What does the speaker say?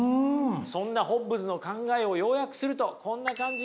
そんなホッブズの考えを要約するとこんな感じになります。